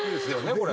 これ。